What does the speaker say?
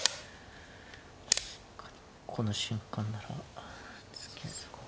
確かにこの瞬間なら突きそう。